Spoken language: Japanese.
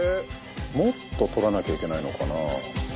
もっととらなきゃいけないのかな？